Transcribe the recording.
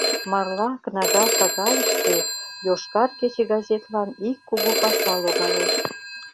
Марла кнага шагалыште «Йошкар кече» газетлан ик Кугу паша логалеш.